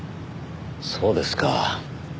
そうですか。